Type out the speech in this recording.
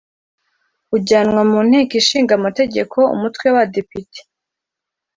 Ujyanwa mu Nteko Ishinga Amategeko Umutwe w’Abadepite